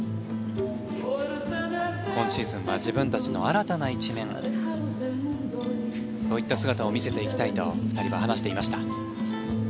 今シーズンは自分たちの新たな一面そういった姿を見せていきたいと２人は話していました。